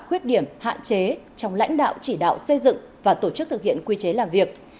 khuyết điểm hạn chế trong lãnh đạo chỉ đạo xây dựng và tổ chức thực hiện quy chế làm việc